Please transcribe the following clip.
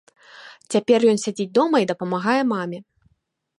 Цяпер ён сядзіць дома і дапамагае маме.